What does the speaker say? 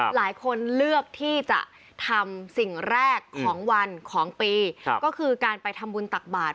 หลายคนเลือกที่จะทำสิ่งแรกของวันของปีก็คือการไปทำบุญตักบาท